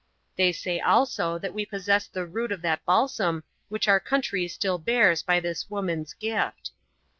(They say also that we possess the root of that balsam which our country still bears by this woman's gift.)